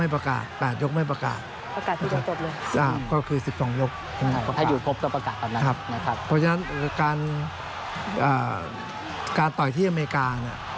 เพราะฉะนั้นการต่อยที่อเมริกาเนี่ย